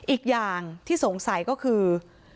อีกอย่างที่สงสัยก็คือ